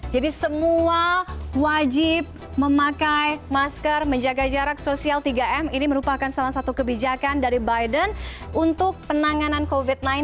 jadi semua wajib memakai masker menjaga jarak sosial tiga m ini merupakan salah satu kebijakan dari biden untuk penanganan covid sembilan belas